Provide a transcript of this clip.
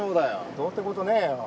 どうって事ねえよ。